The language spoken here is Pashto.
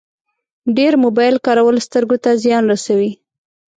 ډېر موبایل کارول سترګو ته زیان رسوي.